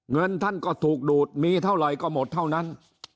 เงินท่านก็ถูกดูดมีเท่าไหร่ก็หมดเท่านั้น